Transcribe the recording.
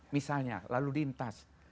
misalnya lalu lintas